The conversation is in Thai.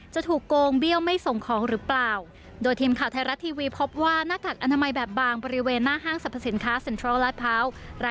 จะถูกโกงเบี้ยวไม่ส่งของหรือเปล่า